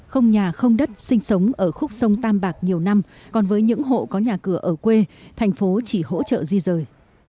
không nhà không đất sinh sống ở khúc sông tam bạc nhiều năm còn với những hộ có nhà cửa ở quê thành phố chỉ hỗ trợ di rời